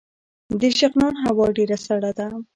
د شغنان هوا ډیره سړه ده